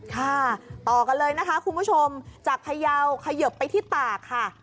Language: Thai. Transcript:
ค่ะต่อกันเลยนะคะคุณผู้ชมจากพยาวเขยิบไปที่ตากค่ะ